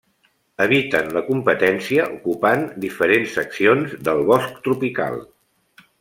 Eviten la competència ocupant diferents seccions del bosc tropical.